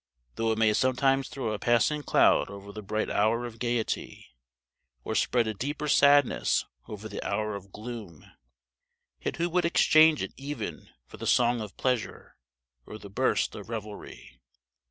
Though it may sometimes throw a passing cloud over the bright hour of gayety, or spread a deeper sadness over the hour of gloom, yet who would exchange it even for the song of pleasure or the burst of revelry?